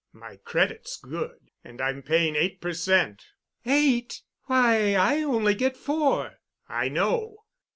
"My credit's good, and I'm paying eight per cent." "Eight? Why, I only get four!" "I know.